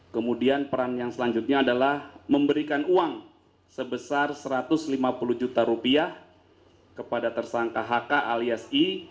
kemudian peran yang selanjutnya adalah memberikan uang sebesar satu ratus lima puluh juta rupiah kepada tersangka hk alias i